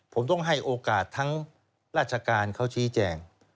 ผมต้องให้โอกาสทั้งราชการเขาชี้แจง